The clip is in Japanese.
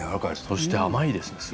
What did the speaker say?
そして甘いですね